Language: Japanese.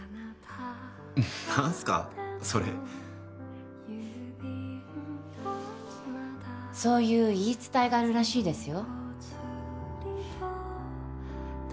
何すかそれそういう言い伝えがあるらしいですよ